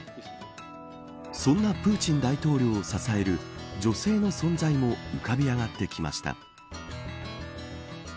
そんなプーチン大統領を支える女性の存在も浮かび上がってきました。